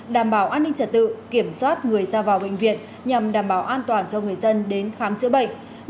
đảm bảo an ninh trật tự kiểm soát người ra vào bệnh viện nhằm đảm bảo an toàn cho người dân đến khám chữa bệnh